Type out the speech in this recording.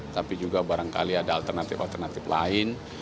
tapi juga barangkali ada alternatif alternatif lain